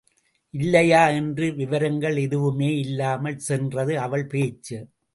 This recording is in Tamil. இல்லையா? என்ற விவரங்கள் எதுவுமே இல்லாமல் சென்றது அவள் பேச்சு.